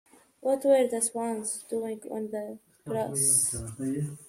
What were the swans doing on the grass?